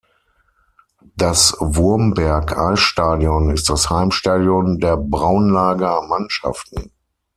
Das Wurmberg-Eisstadion ist das Heimstadion der Braunlager Mannschaften.